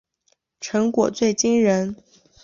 成果最惊人